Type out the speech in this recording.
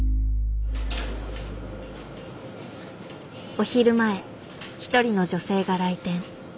お昼前一人の女性が来店。